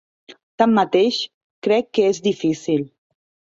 Tanmateix, crec que és difícil.